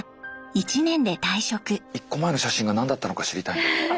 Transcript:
１個前の写真が何だったのか知りたい。